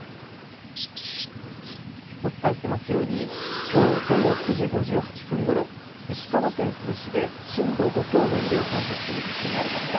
お伝えしていますようにきょう午後９時５８分ごろ石川県珠洲市で震度５強の揺れを観測する地震がありました。